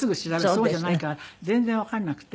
そうじゃないから全然わかんなくて。